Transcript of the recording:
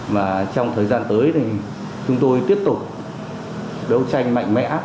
mà trong thời gian tới thì chúng tôi tiếp tục đấu tranh mạnh mẽ